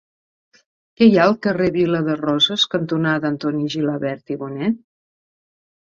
Què hi ha al carrer Vila de Roses cantonada Antoni Gilabert i Bonet?